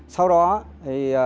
sau đó thì